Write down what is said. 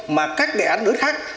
mà các đề án đối khác